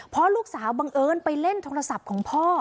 เพราะลูกสาวบังเอิญไปเล่นโทรศัพท์ของพ่อ